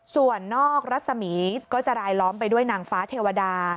ส่วนนอกรัศมีร์ก็จะรายล้อมไปด้วยนางฟ้าเทวดา